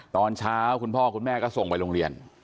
ตอนเช้าคุณพ่อคุณแม่ก็ส่งไปโรงเรียน